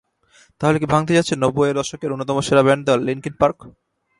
তাহলে কি ভাঙতে যাচ্ছে নব্বইয়ের দশকের অন্যতম সেরা ব্যান্ড দল লিনকিন পার্ক?